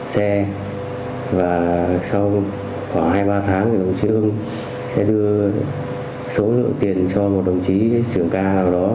xe và sau khoảng hai ba tháng thì đồng chí hưng sẽ đưa số lượng tiền cho một đồng chí trưởng ca nào đó